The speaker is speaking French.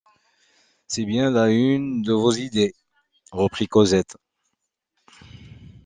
C’est bien là une de vos idées! reprit Cosette.